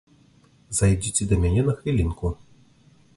Зайдзіце да мяне на хвілінку.